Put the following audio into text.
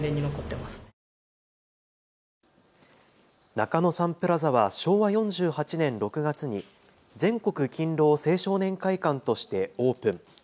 中野サンプラザは昭和４８年６月に全国勤労青少年会館としてオープン。